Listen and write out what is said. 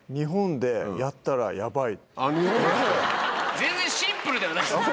全然シンプルではないです。